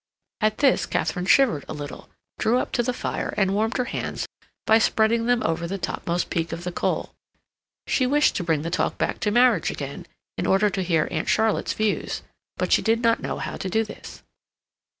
At this Katharine shivered a little, drew up to the fire, and warmed her hands by spreading them over the topmost peak of the coal. She wished to bring the talk back to marriage again, in order to hear Aunt Charlotte's views, but she did not know how to do this.